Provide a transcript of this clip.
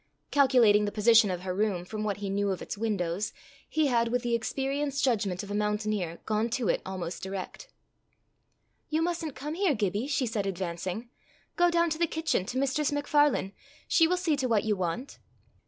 Calculating the position of her room from what he knew of its windows, he had, with the experienced judgment of a mountaineer, gone to it almost direct. "You mustn't come here, Gibbie," she said, advancing. "Go down to the kitchen, to Mistress MacFarlane. She will see to what you want."